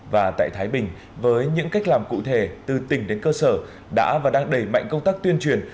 và tại thái bình với những cách làm cụ thể từ tỉnh đến cơ sở đã và đang đẩy mạnh công tác tuyên truyền